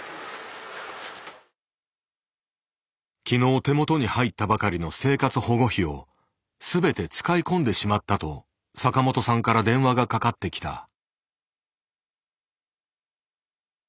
きのう手元に入ったばかりの生活保護費を全て使い込んでしまったと坂本さんから電話がかかってきた。